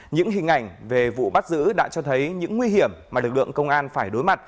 những hình ảnh về vụ bắt giữ đã cho thấy những nguy hiểm mà lực lượng công an phải đối mặt